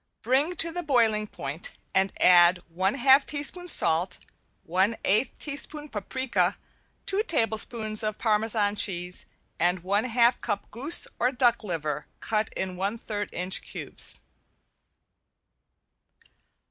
Bring to the boiling point and add one half teaspoon salt, one eighth teaspoon paprika, two tablespoons of Parmesean cheese and one half cup goose or duck liver, cut in one third inch cubes.